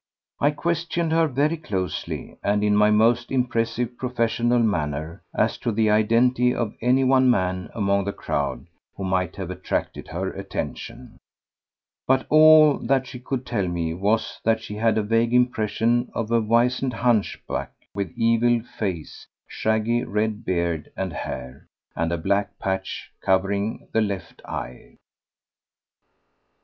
I questioned her very closely and in my most impressive professional manner as to the identity of any one man among the crowd who might have attracted her attention, but all that she could tell me was that she had a vague impression of a wizened hunchback with evil face, shaggy red beard and hair, and a black patch covering the left eye.